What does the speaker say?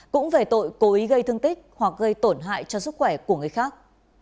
cũng về tội cố ý gây thương tích hoặc gây tổn hại cho sức khỏe của người khác